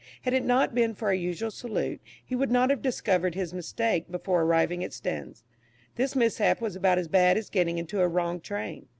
Had it not been for our usual salute, he would not have discovered his mistake before arriving at Staines. This mishap was about as bad as getting into a wrong train.